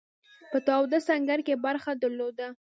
په تاوده سنګر کې برخه درلوده.